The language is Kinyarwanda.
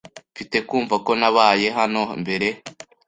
Mfite kumva ko nabaye hano mbere.